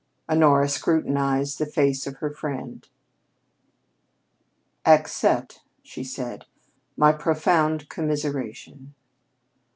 Honora scrutinized the face of her friend. "Accept," she said, "my profound commiseration."